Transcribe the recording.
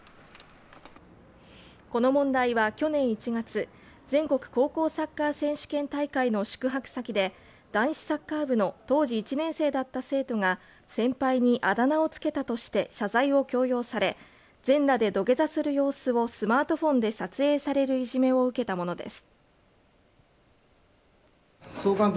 この問題は去年１月、全国高校サッカー選手権大会の宿泊先で、男子サッカー部の当時１年生だった生徒が先輩にあだ名をつけたとして謝罪を強要され、全裸で土下座する様子をスマートフォンで撮影されるいじめを受けたものです。